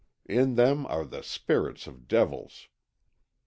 In them are the spirits of devils."